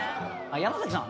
山崎さん